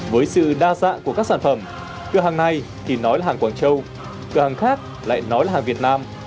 với sự đa dạng của các sản phẩm cửa hàng này thì nói là hàng quảng châu cửa hàng khác lại nói là hàng việt nam